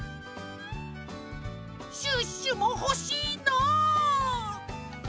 シュッシュもほしいな！